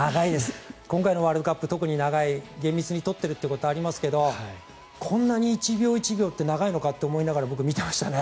今回のワールドカップ特に長い厳密に取っているということもありますがこんなに１秒１秒って長いのかって思いながら僕、見ていましたね。